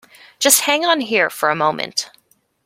Just hang on here for a moment.